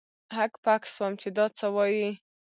هک پک سوم چې دا څه وايي.